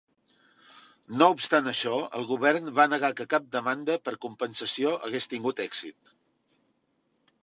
No obstant això, el govern va negar que cap demanda per compensació hagués tingut èxit.